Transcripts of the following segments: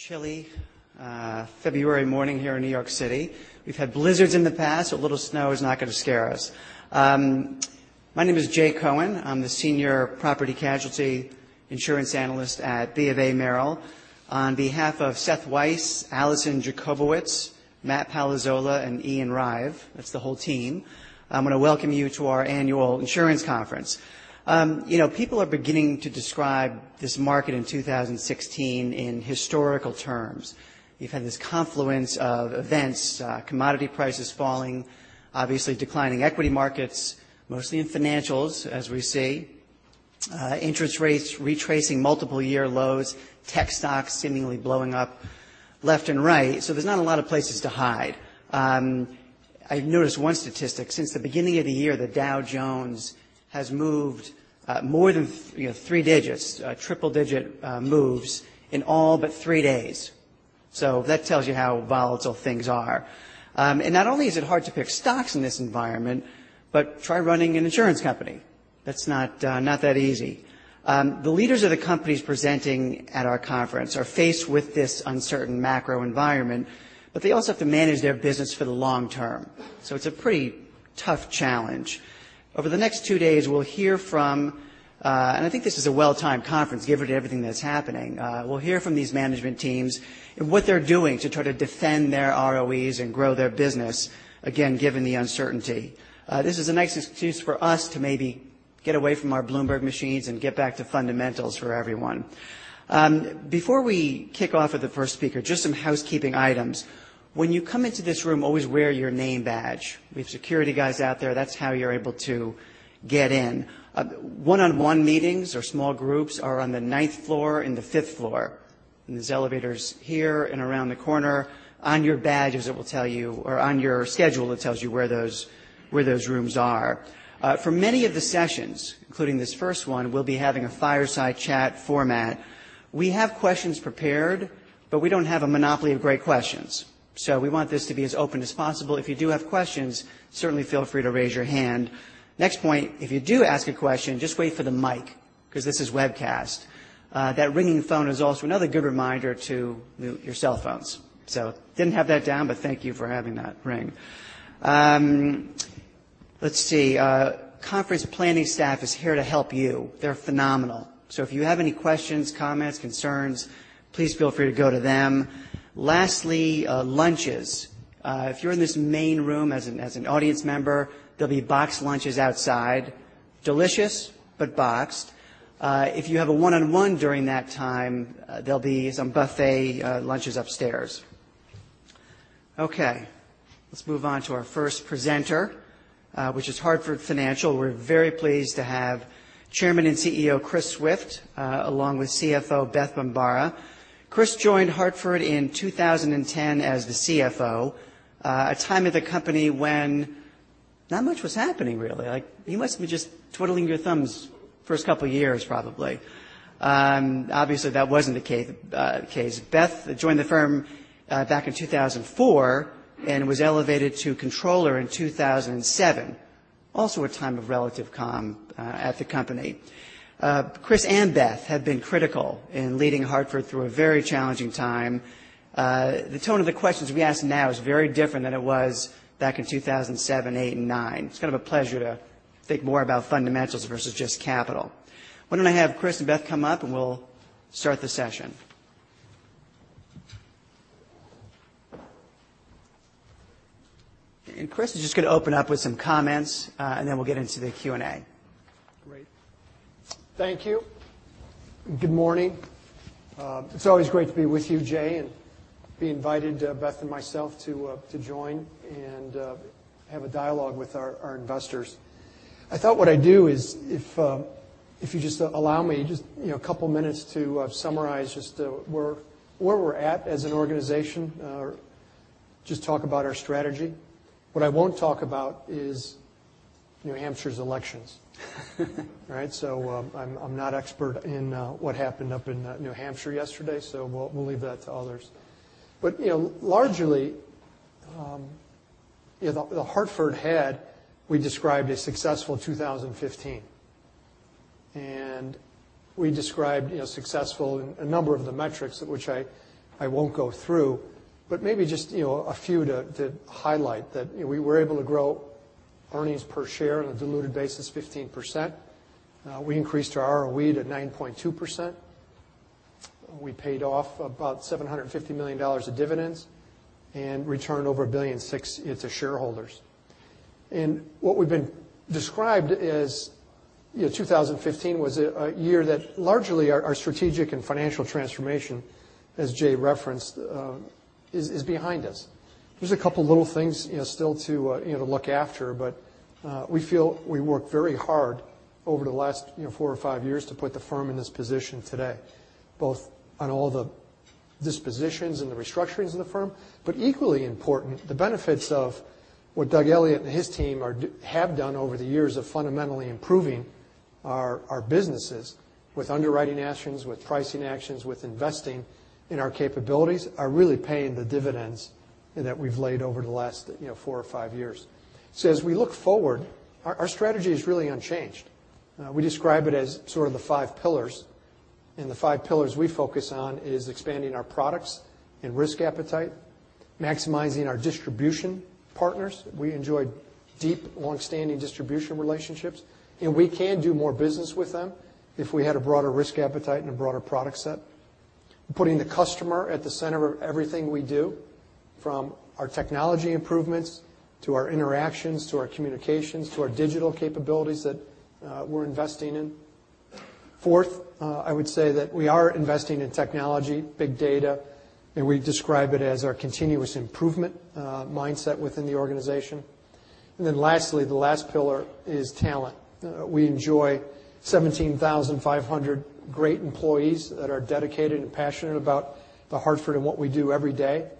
It's a chilly February morning here in New York City. We've had blizzards in the past. A little snow is not going to scare us. My name is Jay Cohen. I'm the Senior Property Casualty Insurance Analyst at BofA Merrill. On behalf of Seth Weiss, Alison Jacobowitz, Matt Palazzola, and Ian Ryvlin, that's the whole team, I'm going to welcome you to our annual insurance conference. People are beginning to describe this market in 2016 in historical terms. We've had this confluence of events, commodity prices falling, obviously declining equity markets, mostly in financials, as we see. Interest rates retracing multiple year lows, tech stocks seemingly blowing up left and right. There's not a lot of places to hide. I noticed one statistic. Since the beginning of the year, the Dow Jones has moved more than three digits, triple digit moves in all but three days. That tells you how volatile things are. Not only is it hard to pick stocks in this environment, but try running an insurance company. That's not that easy. The leaders of the companies presenting at our conference are faced with this uncertain macro environment, but they also have to manage their business for the long term. It's a pretty tough challenge. Over the next two days, we'll hear from, and I think this is a well-timed conference given to everything that's happening, we'll hear from these management teams and what they're doing to try to defend their ROEs and grow their business, again, given the uncertainty. This is a nice excuse for us to maybe get away from our Bloomberg machines and get back to fundamentals for everyone. Before we kick off with the first speaker, just some housekeeping items. When you come into this room, always wear your name badge. We have security guys out there. That's how you're able to get in. One-on-one meetings or small groups are on the ninth floor and the fifth floor. There's elevators here and around the corner. On your badge it will tell you, or on your schedule it tells you where those rooms are. For many of the sessions, including this first one, we'll be having a fireside chat format. We have questions prepared, but we don't have a monopoly of great questions. We want this to be as open as possible. If you do have questions, certainly feel free to raise your hand. Next point, if you do ask a question, just wait for the mic because this is webcast. That ringing phone is also another good reminder to mute your cell phones. Didn't have that down, but thank you for having that ring. Let's see. Conference planning staff is here to help you. They're phenomenal. If you have any questions, comments, concerns, please feel free to go to them. Lastly, lunches. If you're in this main room as an audience member, there'll be boxed lunches outside. Delicious, but boxed. If you have a one-on-one during that time, there'll be some buffet lunches upstairs. Let's move on to our first presenter, which is Hartford Financial. We're very pleased to have Chairman and Chief Executive Officer, Chris Swift, along with Chief Financial Officer Beth Bombara. Chris joined Hartford in 2010 as the Chief Financial Officer, a time at the company when not much was happening, really. You must have been just twiddling your thumbs first couple years, probably. Obviously, that wasn't the case. Beth joined the firm back in 2004 and was elevated to controller in 2007, also a time of relative calm at the company. Chris and Beth have been critical in leading The Hartford through a very challenging time. The tone of the questions we ask now is very different than it was back in 2007, 2008, and 2009. It's kind of a pleasure to think more about fundamentals versus just capital. Why don't I have Chris and Beth come up and we'll start the session. Chris is just going to open up with some comments, and then we'll get into the Q&A. Great. Thank you. Good morning. It's always great to be with you, Jay, and be invited, Beth and myself, to join and have a dialogue with our investors. I thought what I'd do is if you just allow me just a couple minutes to summarize just where we're at as an organization, just talk about our strategy. What I won't talk about is New Hampshire's elections. All right? I'm not expert in what happened up in New Hampshire yesterday, so we'll leave that to others. Largely, The Hartford had, we described, a successful 2015. We described successful in a number of the metrics which I won't go through, but maybe just a few to highlight that we were able to grow earnings per share on a diluted basis 15%. We increased our ROE to 9.2%. We paid off about $750 million of dividends and returned over $1.6 billion to shareholders. What we've been described as 2015 was a year that largely our strategic and financial transformation, as Jay referenced, is behind us. There's a couple little things still to look after, but we feel we worked very hard over the last four or five years to put the firm in this position today, both on all the dispositions and the restructurings of the firm. Equally important, the benefits of what Doug Elliot and his team have done over the years of fundamentally improving our businesses with underwriting actions, with pricing actions, with investing in our capabilities are really paying the dividends in that we've laid over the last four or five years. As we look forward, our strategy is really unchanged. We describe it as sort of the five pillars. The five pillars we focus on is expanding our products and risk appetite, maximizing our distribution partners. We enjoy deep, longstanding distribution relationships, and we can do more business with them if we had a broader risk appetite and a broader product set. Putting the customer at the center of everything we do, from our technology improvements, to our interactions, to our communications, to our digital capabilities that we're investing in. Fourth, I would say that we are investing in technology, big data, and we describe it as our continuous improvement mindset within the organization. Then lastly, the last pillar is talent. We enjoy 17,500 great employees that are dedicated and passionate about The Hartford and what we do every day.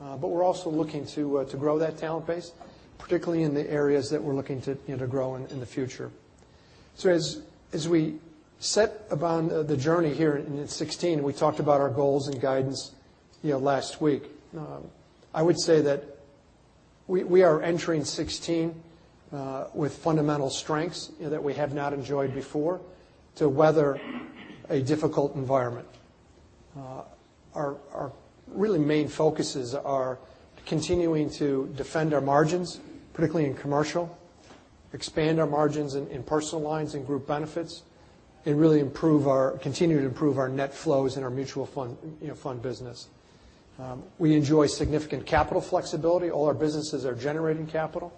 We're also looking to grow that talent base, particularly in the areas that we're looking to grow in in the future. As we set upon the journey here in 2016, we talked about our goals and guidance last week. I would say that we are entering 2016, with fundamental strengths that we have not enjoyed before to weather a difficult environment. Our really main focuses are continuing to defend our margins, particularly in commercial, expand our margins in personal lines and group benefits, and continue to improve our net flows in our mutual fund business. We enjoy significant capital flexibility. All our businesses are generating capital.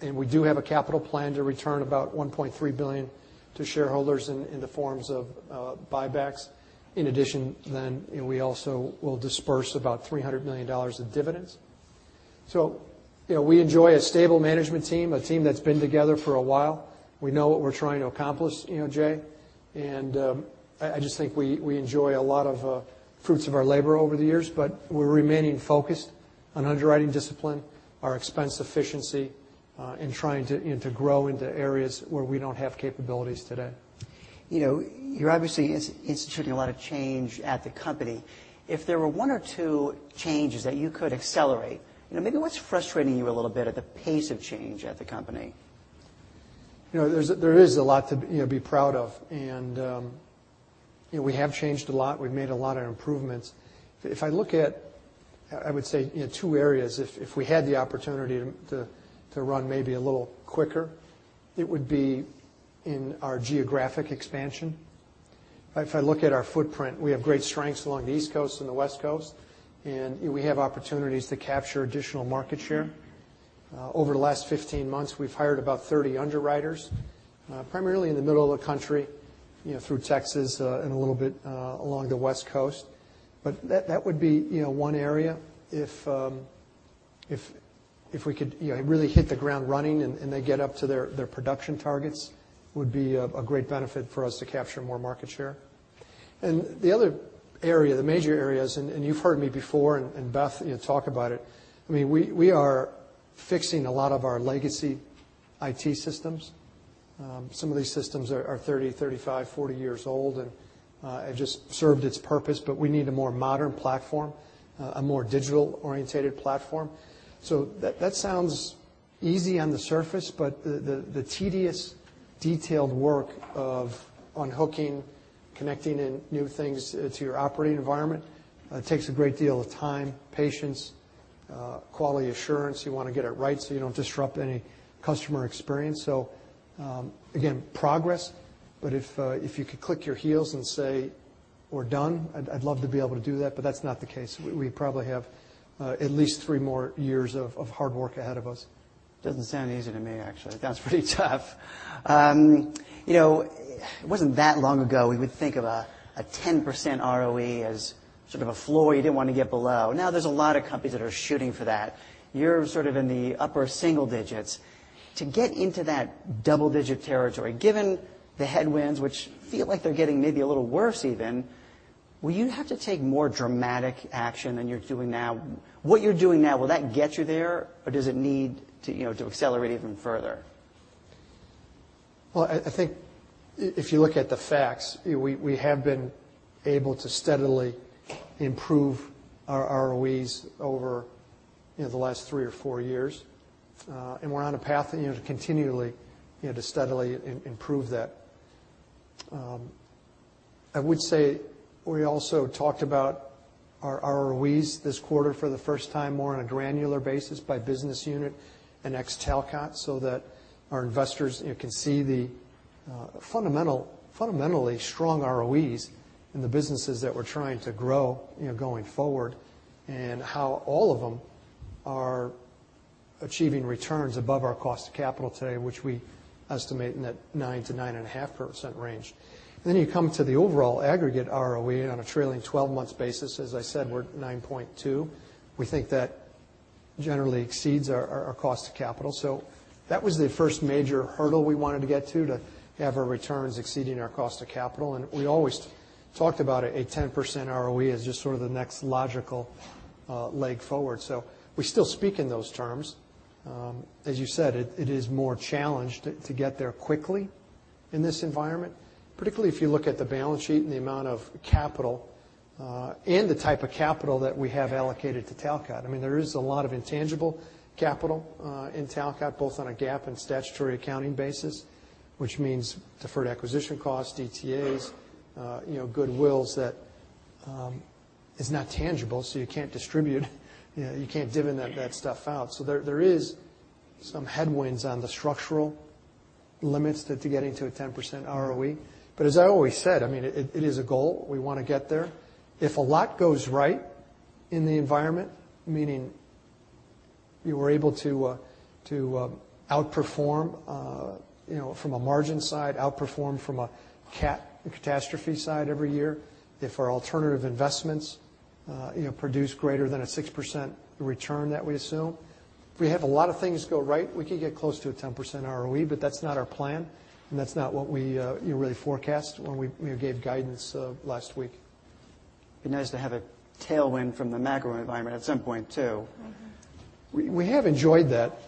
We do have a capital plan to return about $1.3 billion to shareholders in the forms of buybacks. In addition, we also will disperse about $300 million in dividends. We enjoy a stable management team, a team that's been together for a while. We know what we're trying to accomplish, Jay, and I just think we enjoy a lot of fruits of our labor over the years. We're remaining focused on underwriting discipline, our expense efficiency, and trying to grow into areas where we don't have capabilities today. You're obviously instituting a lot of change at the company. If there were one or two changes that you could accelerate, maybe what's frustrating you a little bit at the pace of change at the company? There is a lot to be proud of. We have changed a lot. We've made a lot of improvements. If I look at, I would say, two areas, if we had the opportunity to run maybe a little quicker, it would be in our geographic expansion. If I look at our footprint, we have great strengths along the East Coast and the West Coast, and we have opportunities to capture additional market share. Over the last 15 months, we've hired about 30 underwriters, primarily in the middle of the country, through Texas and a little bit along the West Coast. That would be one area if we could really hit the ground running and they get up to their production targets would be a great benefit for us to capture more market share. The other area, the major areas, and you've heard me before and Beth talk about it, we are fixing a lot of our legacy IT systems. Some of these systems are 30, 35, 40 years old, and have just served its purpose, but we need a more modern platform, a more digital oriented platform. That sounds easy on the surface, but the tedious detailed work of unhooking, connecting new things to your operating environment takes a great deal of time, patience, quality assurance. You want to get it right so you don't disrupt any customer experience. Again, progress, but if you could click your heels and say we're done, I'd love to be able to do that, but that's not the case. We probably have at least three more years of hard work ahead of us. Doesn't sound easy to me, actually. That's pretty tough. It wasn't that long ago we would think of a 10% ROE as sort of a floor you didn't want to get below. Now there's a lot of companies that are shooting for that. You're sort of in the upper single digits. To get into that double-digit territory, given the headwinds which feel like they're getting maybe a little worse even, will you have to take more dramatic action than you're doing now? What you're doing now, will that get you there or does it need to accelerate even further? Well, I think if you look at the facts, we have been able to steadily improve our ROEs over the last three or four years. We're on a path to continually, to steadily improve that. I would say we also talked about our ROEs this quarter for the first time more on a granular basis by business unit and ex Talcott so that our investors can see the fundamentally strong ROEs in the businesses that we're trying to grow going forward and how all of them are achieving returns above our cost of capital today, which we estimate in that nine to nine and a half percent range. You come to the overall aggregate ROE on a trailing 12 months basis. As I said, we're at 9.2. We think that generally exceeds our cost of capital. That was the first major hurdle we wanted to get to have our returns exceeding our cost of capital, and we always talked about a 10% ROE as just sort of the next logical leg forward. We still speak in those terms. As you said, it is more challenged to get there quickly. In this environment, particularly if you look at the balance sheet and the amount of capital, and the type of capital that we have allocated to Talcott. There is a lot of intangible capital in Talcott, both on a GAAP and statutory accounting basis, which means deferred acquisition costs, DTAs, goodwill that is not tangible, so you can't distribute, you can't divvy that stuff out. There is some headwinds on the structural limits to getting to a 10% ROE. As I always said, it is a goal. We want to get there. If a lot goes right in the environment, meaning we were able to outperform from a margin side, outperform from a cat, a catastrophe side every year, if our alternative investments produce greater than a 6% return that we assume. If we have a lot of things go right, we could get close to a 10% ROE, but that's not our plan, and that's not what we really forecast when we gave guidance last week. It'd be nice to have a tailwind from the macro environment at some point, too. We have enjoyed that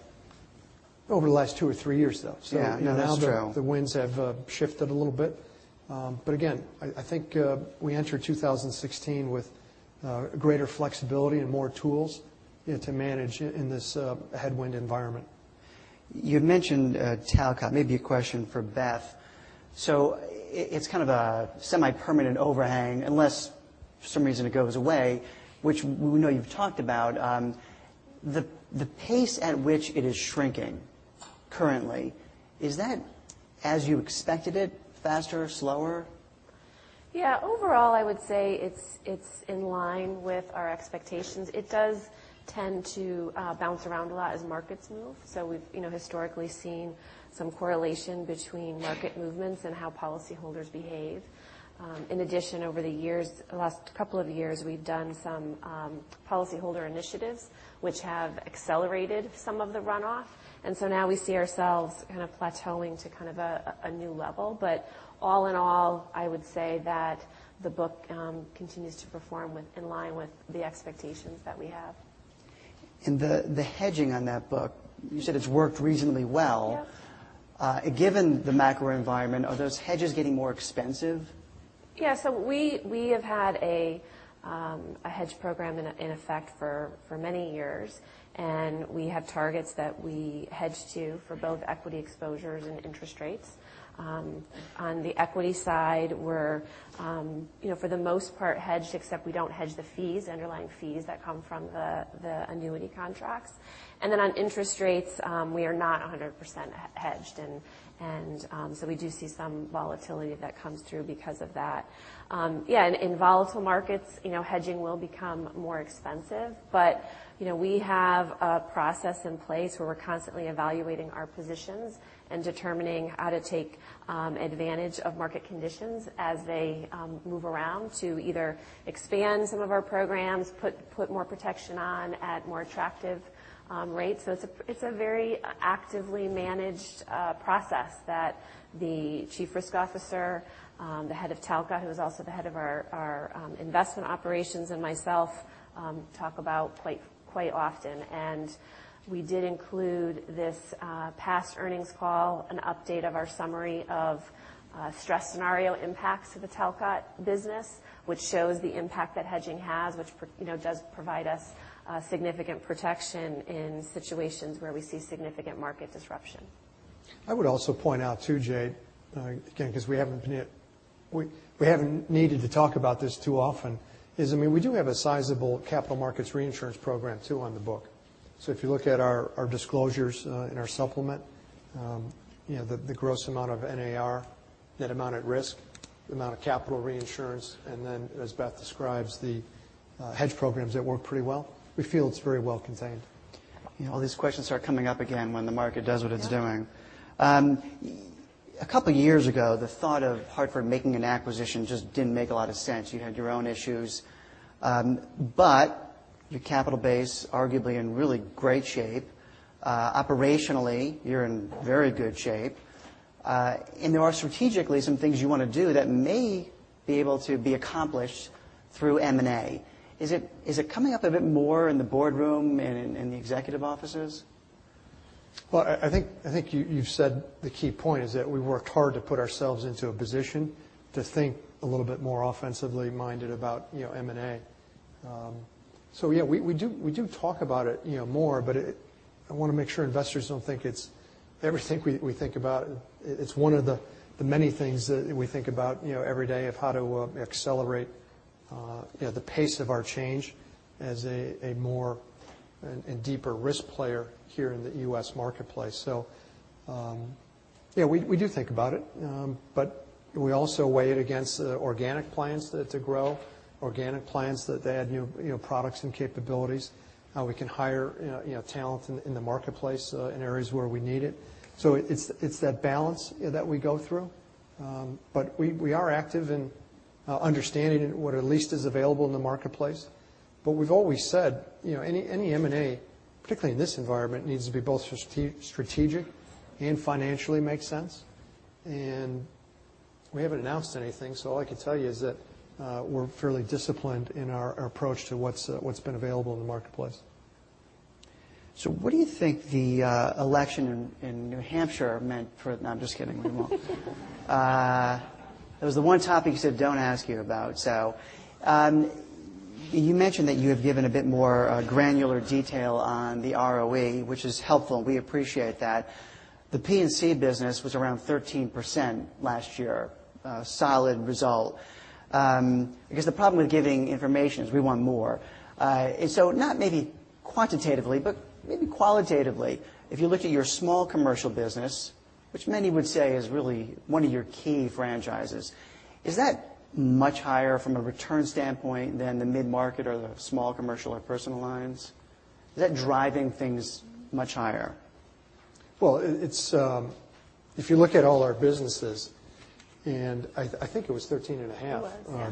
over the last two or three years, though. Yeah, that's true. The winds have shifted a little bit. Again, I think we entered 2016 with greater flexibility and more tools to manage in this headwind environment. You'd mentioned Talcott, maybe a question for Beth. It's kind of a semi-permanent overhang unless for some reason it goes away, which we know you've talked about. The pace at which it is shrinking currently, is that as you expected it, faster or slower? Overall, I would say it's in line with our expectations. It does tend to bounce around a lot as markets move. We've historically seen some correlation between market movements and how policyholders behave. In addition, over the last couple of years, we've done some policyholder initiatives which have accelerated some of the runoff, now we see ourselves kind of plateauing to kind of a new level. All in all, I would say that the book continues to perform in line with the expectations that we have. The hedging on that book, you said it's worked reasonably well. Yes. Given the macro environment, are those hedges getting more expensive? Yeah. We have had a hedge program in effect for many years, we have targets that we hedge to for both equity exposures and interest rates. On the equity side, we're for the most part hedged, except we don't hedge the underlying fees that come from the annuity contracts. On interest rates, we are not 100% hedged. We do see some volatility that comes through because of that. Yeah, in volatile markets, hedging will become more expensive, we have a process in place where we're constantly evaluating our positions and determining how to take advantage of market conditions as they move around to either expand some of our programs, put more protection on at more attractive rates. It's a very actively managed process that the Chief Risk Officer, the head of Talcott, who is also the head of our investment operations, and myself talk about quite often. We did include this past earnings call an update of our summary of stress scenario impacts to the Talcott business, which shows the impact that hedging has, which does provide us significant protection in situations where we see significant market disruption. I would also point out, too, Jay, again, because we haven't needed to talk about this too often, is we do have a sizable capital markets reinsurance program, too, on the book. If you look at our disclosures in our supplement, the gross amount of NAR, net amount at risk, the amount of capital reinsurance, and then as Beth describes, the hedge programs that work pretty well. We feel it's very well contained. All these questions are coming up again when the market does what it's doing. A couple of years ago, the thought of Hartford making an acquisition just didn't make a lot of sense. You had your own issues. Your capital base arguably in really great shape. Operationally, you're in very good shape. There are strategically some things you want to do that may be able to be accomplished through M&A. Is it coming up a bit more in the boardroom and in the executive offices? Well, I think you've said the key point is that we worked hard to put ourselves into a position to think a little bit more offensively minded about M&A. Yeah, we do talk about it more, but I want to make sure investors don't think it's everything we think about. It's one of the many things that we think about every day of how to accelerate the pace of our change as a more and deeper risk player here in the U.S. marketplace. Yeah, we do think about it. We also weigh it against organic plans to grow, organic plans to add new products and capabilities, how we can hire talent in the marketplace in areas where we need it. It's that balance that we go through. We are active in understanding what at least is available in the marketplace. We've always said, any M&A, particularly in this environment, needs to be both strategic and financially make sense. We haven't announced anything, so all I can tell you is that we're fairly disciplined in our approach to what's been available in the marketplace. What do you think the election in New Hampshire meant for-- No, I'm just kidding. We won't. It was the one topic you said don't ask you about. You mentioned that you have given a bit more granular detail on the ROE, which is helpful. We appreciate that. The P&C business was around 13% last year, a solid result. I guess the problem with giving information is we want more. Not maybe quantitatively, but maybe qualitatively, if you looked at your small commercial business, which many would say is really one of your key franchises, is that much higher from a return standpoint than the mid-market or the small commercial or personal lines? Is that driving things much higher? Well, if you look at all our businesses, I think it was 13.5. It was, yeah.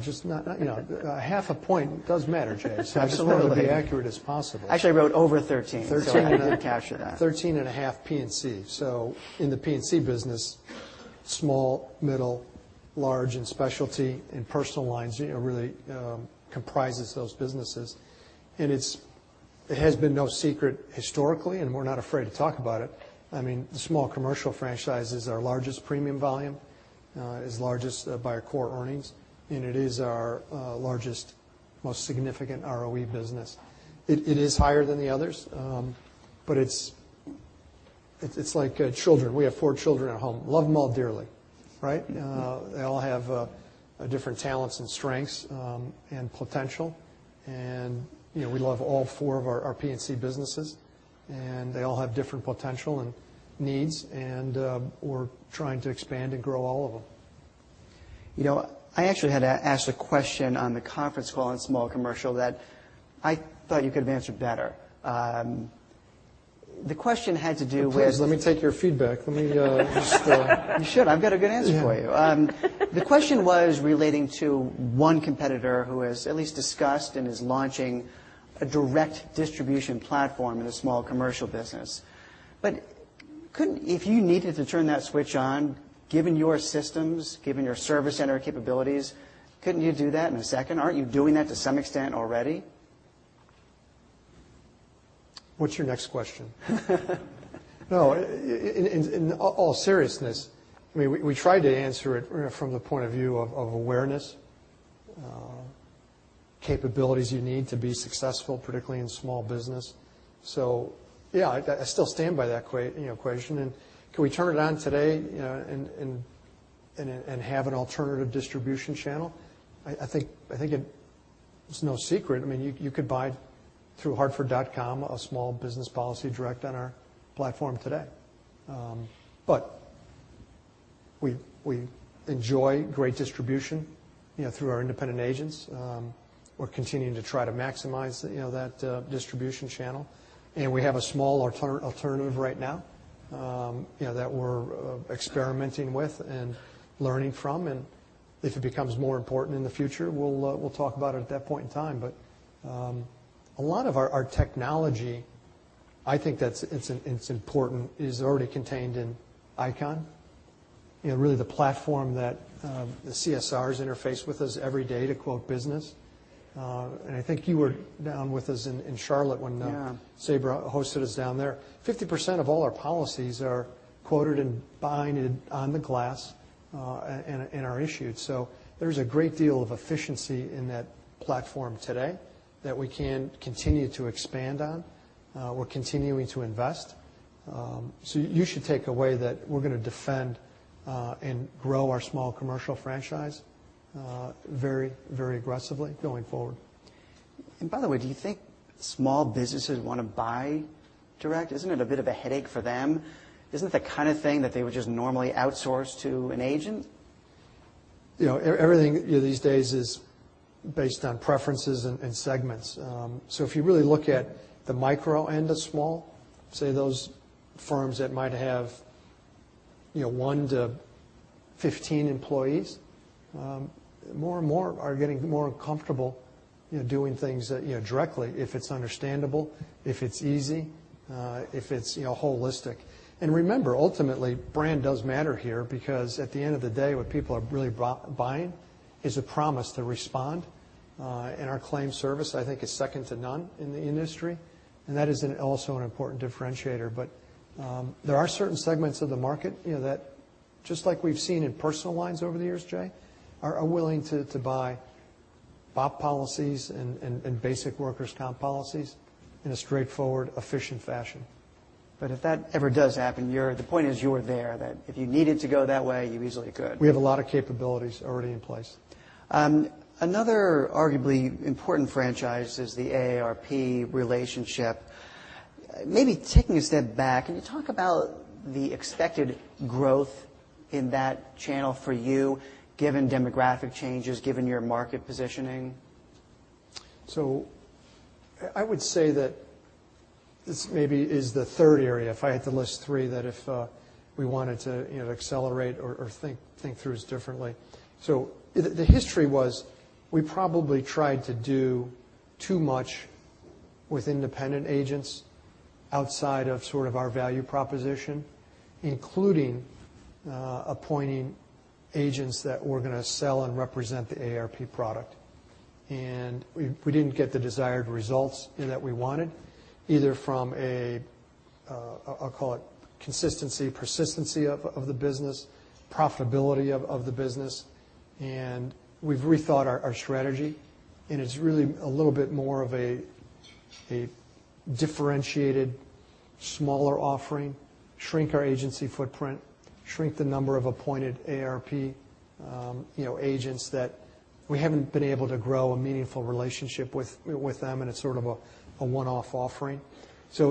Just half a point does matter, Jay. Absolutely. I just want to be accurate as possible. Actually, I wrote over 13, I did capture that. 13.5 P&C. In the P&C business, small, middle, large, and specialty and personal lines really comprises those businesses. It has been no secret historically. We're not afraid to talk about it. I mean, the small commercial franchise is our largest premium volume. It's the largest by our core earnings. It is our largest, most significant ROE business. It is higher than the others. It's like children. We have four children at home. Love them all dearly, right? They all have different talents and strengths and potential. We love all four of our P&C businesses. They all have different potential and needs. We're trying to expand and grow all of them. I actually had asked a question on the conference call on small commercial that I thought you could have answered better. The question had to do with. Please, let me take your feedback. Let me just. You should. I've got a good answer for you. The question was relating to one competitor who has at least discussed and is launching a direct distribution platform in a small commercial business. If you needed to turn that switch on, given your systems, given your service center capabilities, couldn't you do that in a second? Aren't you doing that to some extent already? What's your next question? In all seriousness, we tried to answer it from the point of view of awareness, capabilities you need to be successful, particularly in small business. Yeah, I still stand by that question. Can we turn it on today and have an alternative distribution channel? I think it's no secret. You could buy through hartford.com, a small business policy direct on our platform today. We enjoy great distribution through our independent agents. We're continuing to try to maximize that distribution channel. We have a small alternative right now that we're experimenting with and learning from. If it becomes more important in the future, we'll talk about it at that point in time. A lot of our technology, I think it's important, is already contained in ICON, really the platform that the CSRs interface with us every day to quote business. I think you were down with us in Charlotte when Sabra- Yeah hosted us down there. 50% of all our policies are quoted and binded on the glass and are issued. There's a great deal of efficiency in that platform today that we can continue to expand on. We're continuing to invest. You should take away that we're going to defend and grow our small commercial franchise very aggressively going forward. By the way, do you think small businesses want to buy direct? Isn't it a bit of a headache for them? Isn't it the kind of thing that they would just normally outsource to an agent? If you really look at the micro end of small, say those firms that might have one to 15 employees, more and more are getting more comfortable doing things directly if it's understandable, if it's easy, if it's holistic. Remember, ultimately, brand does matter here because at the end of the day, what people are really buying is a promise to respond. Our claim service, I think, is second to none in the industry, and that is also an important differentiator. There are certain segments of the market that, just like we've seen in personal lines over the years, Jay, are willing to buy BOP policies and basic workers' comp policies in a straightforward, efficient fashion. If that ever does happen, the point is you are there, that if you needed to go that way, you easily could. We have a lot of capabilities already in place. Another arguably important franchise is the AARP relationship. Maybe taking a step back, can you talk about the expected growth in that channel for you, given demographic changes, given your market positioning? I would say that this maybe is the third area, if I had to list three, that if we wanted to accelerate or think through this differently. The history was we probably tried to do too much with independent agents outside of sort of our value proposition, including appointing agents that were going to sell and represent the AARP product. We didn't get the desired results that we wanted, either from a, I'll call it consistency, persistency of the business, profitability of the business, and we've rethought our strategy, and it's really a little bit more of a differentiated smaller offering, shrink our agency footprint, shrink the number of appointed AARP agents that we haven't been able to grow a meaningful relationship with them and it's sort of a one-off offering. It's a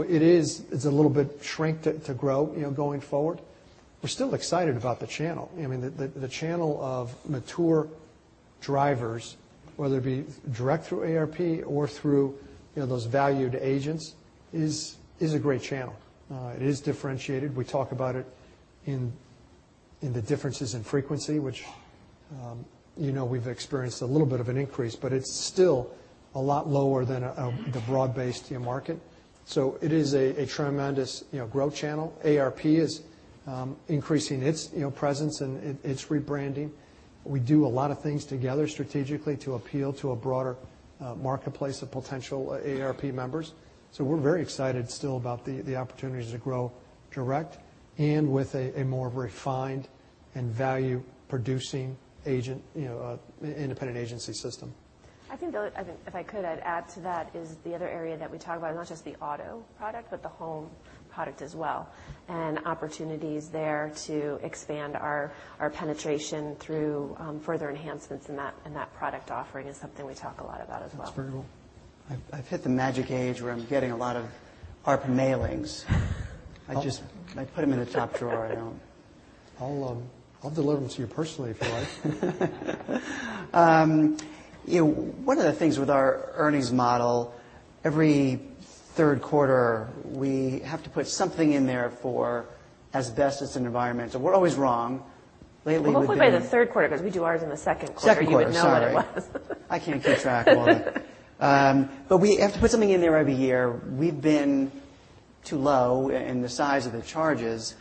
little bit shrink to grow going forward. We're still excited about the channel. I mean, the channel of mature drivers, whether it be direct through AARP or through those valued agents, is a great channel. It is differentiated. We talk about it in the differences in frequency, which we've experienced a little bit of an increase, but it's still a lot lower than the broad-based market. It is a tremendous growth channel. AARP is increasing its presence and its rebranding. We do a lot of things together strategically to appeal to a broader marketplace of potential AARP members. We're very excited still about the opportunities to grow direct and with a more refined and value-producing independent agency system. I think, if I could, I'd add to that is the other area that we talk about, not just the auto product, but the home product as well, and opportunities there to expand our penetration through further enhancements in that product offering is something we talk a lot about as well. That's very cool. I've hit the magic age where I'm getting a lot of AARP mailings. I put them in a top drawer. I don't. I'll deliver them to you personally if you like. One of the things with our earnings model, every third quarter, we have to put something in there for as best as an environment. We're always wrong. Well, hopefully by the third quarter, because we do ours in the second quarter. Second quarter, sorry. You would know what it was. I can't keep track, Paula. We have to put something in there every year. We've been too low in the size of the charges.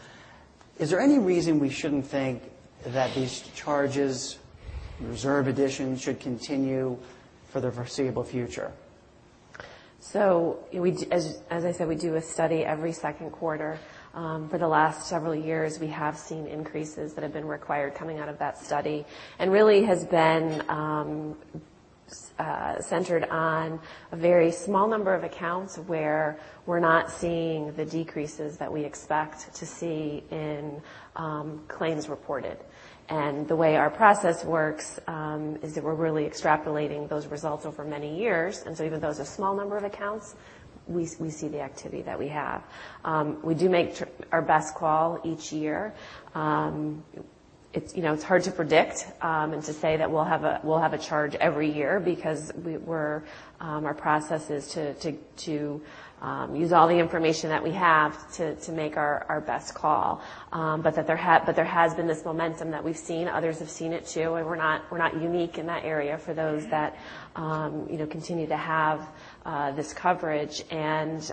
Is there any reason we shouldn't think that these charges, reserve additions should continue for the foreseeable future? As I said, we do a study every second quarter. For the last several years, we have seen increases that have been required coming out of that study and really has been centered on a very small number of accounts where we're not seeing the decreases that we expect to see in claims reported. The way our process works is that we're really extrapolating those results over many years, and even though it's a small number of accounts, we see the activity that we have. We do make our best call each year. It's hard to predict and to say that we'll have a charge every year because our process is to use all the information that we have to make our best call. There has been this momentum that we've seen. Others have seen it too, and we're not unique in that area for those that continue to have this coverage, and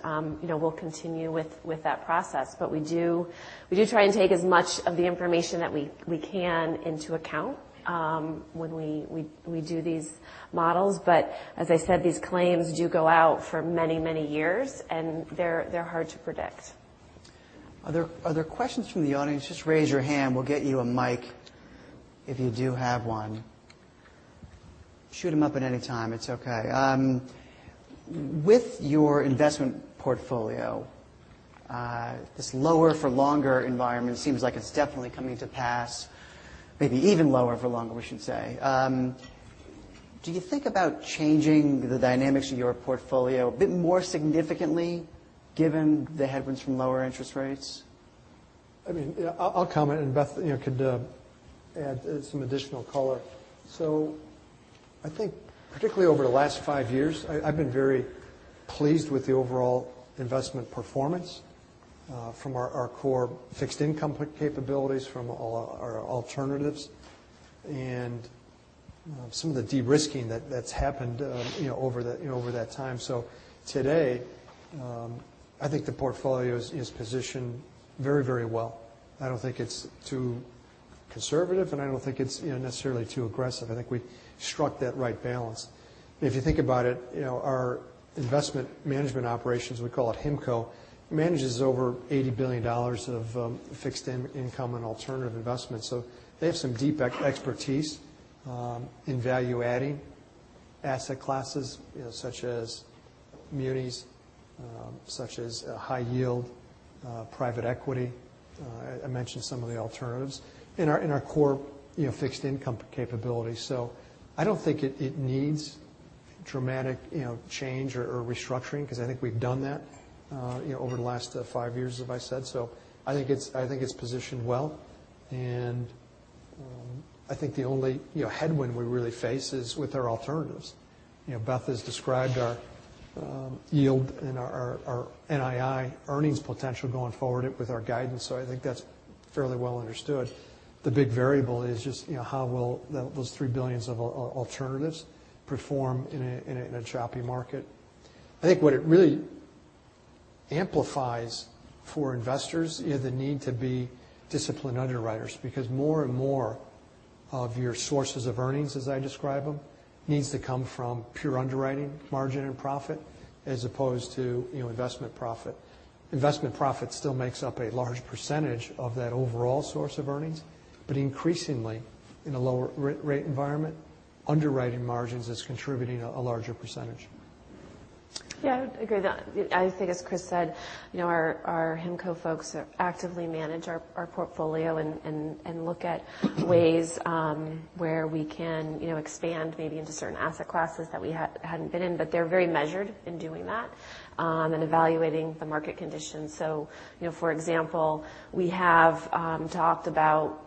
we'll continue with that process. We do try and take as much of the information that we can into account when we do these models. As I said, these claims do go out for many, many years, and they're hard to predict. Are there questions from the audience? Just raise your hand. We'll get you a mic if you do have one. Shoot them up at any time. It's okay. With your investment portfolio, this lower for longer environment seems like it's definitely coming to pass, maybe even lower for longer, we should say. Do you think about changing the dynamics of your portfolio a bit more significantly given the headwinds from lower interest rates? I'll comment and Beth could add some additional color. I think particularly over the last five years, I've been very pleased with the overall investment performance from our core fixed income capabilities, from our alternatives, and some of the de-risking that's happened over that time. Today, I think the portfolio is positioned very, very well. I don't think it's too conservative, and I don't think it's necessarily too aggressive. I think we struck that right balance. If you think about it, our investment management operations, we call it HIMCO, manages over $80 billion of fixed income and alternative investments. They have some deep expertise in value-adding asset classes such as munis, such as high yield, private equity. I mentioned some of the alternatives in our core fixed income capability. I don't think it needs dramatic change or restructuring because I think we've done that over the last 5 years, as I said. I think it's positioned well, and I think the only headwind we really face is with our alternatives. Beth has described our yield and our NII earnings potential going forward with our guidance, I think that's fairly well understood. The big variable is just how will those 3 billions of alternatives perform in a choppy market? I think what it really amplifies for investors the need to be disciplined underwriters because more and more of your sources of earnings, as I describe them, needs to come from pure underwriting margin and profit as opposed to investment profit. Investment profit still makes up a large % of that overall source of earnings, but increasingly in a lower rate environment, underwriting margins is contributing a larger %. I would agree. I think as Chris said, our Himco folks actively manage our portfolio and look at ways where we can expand maybe into certain asset classes that we hadn't been in, they're very measured in doing that and evaluating the market conditions. For example, we have talked about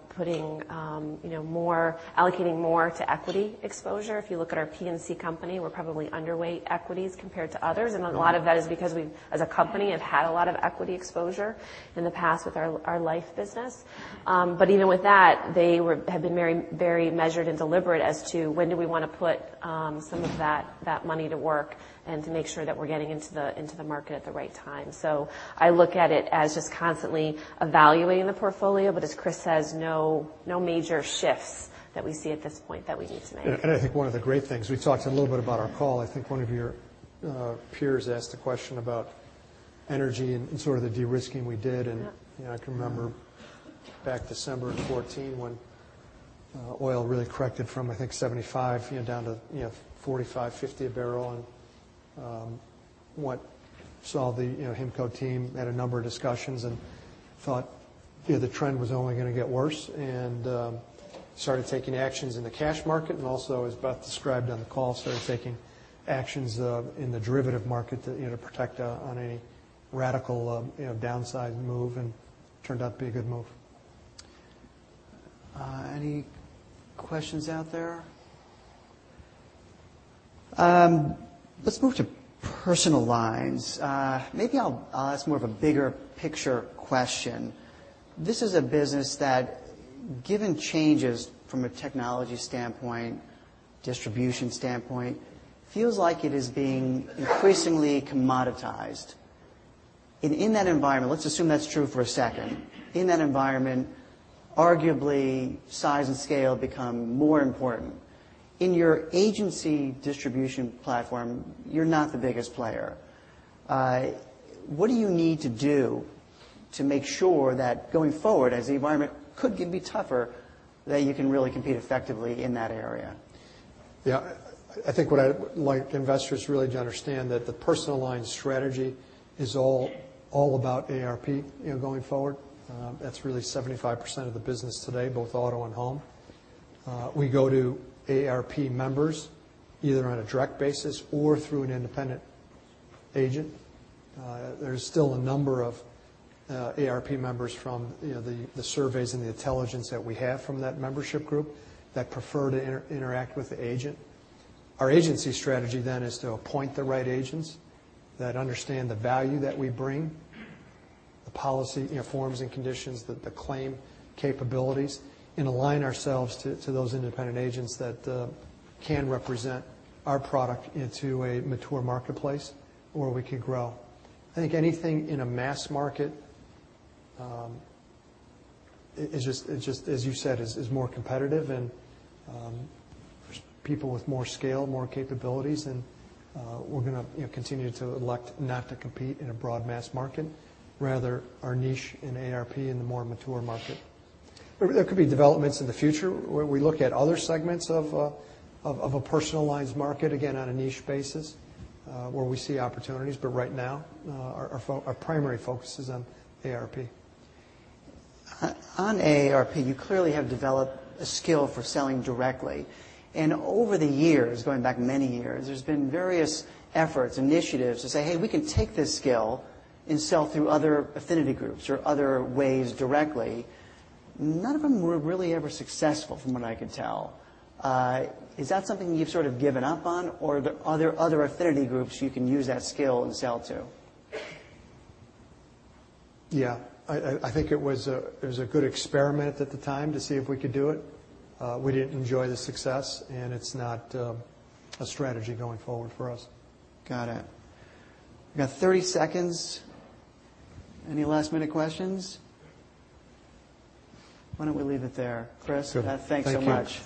allocating more to equity exposure. If you look at our P&C company, we're probably underweight equities compared to others. A lot of that is because we, as a company, have had a lot of equity exposure in the past with our life business. Even with that, they have been very measured and deliberate as to when do we want to put some of that money to work and to make sure that we're getting into the market at the right time. I look at it as just constantly evaluating the portfolio, as Chris says, no major shifts that we see at this point that we need to make. I think one of the great things, we talked a little bit about our call, I think one of your peers asked a question about energy and sort of the de-risking we did. Yeah. I can remember back December of 2014 when oil really corrected from I think $75 down to $45, $50 a barrel. Saw the Himco team had a number of discussions and thought the trend was only going to get worse and started taking actions in the cash market, also, as Beth described on the call, started taking actions in the derivative market to protect on a radical downside move, and turned out to be a good move. Any questions out there? Let's move to personal lines. Maybe I'll ask more of a bigger picture question. This is a business that, given changes from a technology standpoint, distribution standpoint, feels like it is being increasingly commoditized. In that environment, let's assume that's true for a second. In that environment, arguably size and scale become more important. In your agency distribution platform, you're not the biggest player. What do you need to do to make sure that going forward as the environment could be tougher, that you can really compete effectively in that area? Yeah. I think what I would like investors really to understand that the personal line strategy is all about AARP going forward. That's really 75% of the business today, both auto and home. We go to AARP members either on a direct basis or through an independent agent. There's still a number of AARP members from the surveys and the intelligence that we have from that membership group that prefer to interact with the agent. Our agency strategy then is to appoint the right agents that understand the value that we bring, the policy forms and conditions, the claim capabilities, and align ourselves to those independent agents that can represent our product into a mature marketplace where we can grow. I think anything in a mass market, as you said, is more competitive and there's people with more scale, more capabilities, and we're going to continue to elect not to compete in a broad mass market, rather our niche in AARP in the more mature market. There could be developments in the future where we look at other segments of a personal lines market, again, on a niche basis where we see opportunities. Right now, our primary focus is on AARP. On AARP, you clearly have developed a skill for selling directly. Over the years, going back many years, there's been various efforts, initiatives to say, "Hey, we can take this skill and sell through other affinity groups or other ways directly." None of them were really ever successful from what I could tell. Is that something you've sort of given up on, or are there other affinity groups you can use that skill and sell to? Yeah. I think it was a good experiment at the time to see if we could do it. We didn't enjoy the success, it's not a strategy going forward for us. Got it. We got 30 seconds. Any last-minute questions? Why don't we leave it there? Chris. Good Beth, thanks so much.